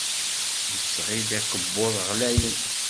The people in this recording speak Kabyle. Tesɣiḍ akebbuḍ ɣlayen.